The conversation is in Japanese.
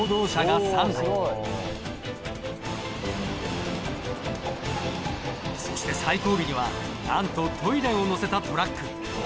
そして最後尾にはなんとトイレを乗せたトラック。